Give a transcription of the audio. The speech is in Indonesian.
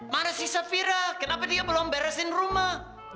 mana si safira kenapa dia belum beresin rumah